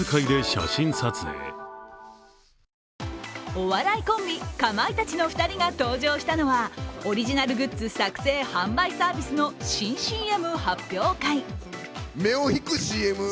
お笑いコンビ、かまいたちの２人が登場したのはオリジナルグッズ作成・販売サービスの新ＣＭ発表会。